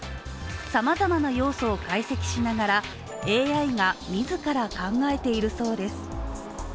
さまざまな要素を解析しながらＡＩが自ら考えているそうです。